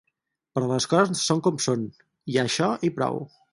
Però les coses són com són: hi ha això i prou.